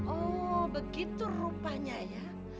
oh begitu rupanya ya